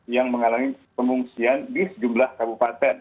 yang mengalami pengungsian di sejumlah kabupaten